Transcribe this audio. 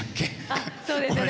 あっそうですよね。